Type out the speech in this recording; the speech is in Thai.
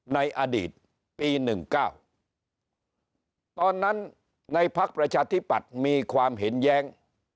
ในอดีตปี๑๙ตอนนั้นในภักดิ์ประชาธิปัตย์มีความเห็นแย้ง